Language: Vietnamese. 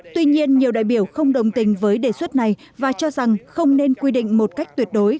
tuy nhiên nhiều đại biểu không đồng tình với đề xuất này và cho rằng không nên quy định một cách tuyệt đối